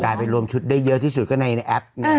กลายเป็นรวมชุดได้เยอะที่สุดก็ในแอป